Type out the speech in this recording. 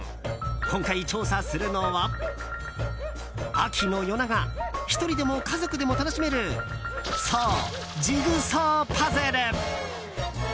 今回、調査するのは秋の夜長１人でも家族でも楽しめるそう、ジグソーパズル！